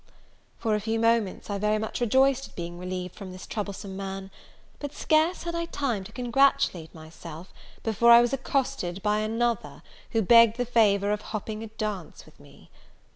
For a few moments I very much rejoiced at being relieved from this troublesome man; but scarce had I time to congratulate myself, before I was accosted by another, who begged the favour of hopping a dance with me.